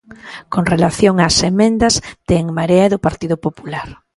Con relación ás emendas de En Marea e do Partido Popular.